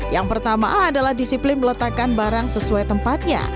yang pertama adalah disiplin meletakkan barang sesuai tempatnya